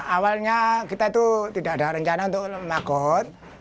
awalnya kita itu tidak ada rencana untuk magot